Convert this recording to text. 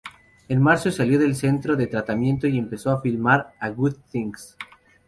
En marzo salió del centro de tratamiento y empezó a filmar "All Good Things".